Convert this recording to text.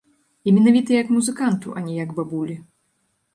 І менавіта як музыканту, а не як бабулі.